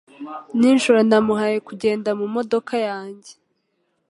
Nijoro namuhaye kugenda mumodoka yanjye